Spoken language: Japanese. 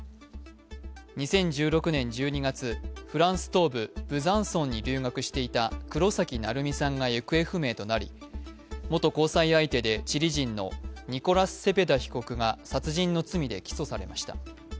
２０１６年１２月、フランス東部ブザンソンに留学していた黒崎愛海さんが行方不明となり元交際相手でチリ人のニコラス・セペダ被告が殺人の罪で起訴されました。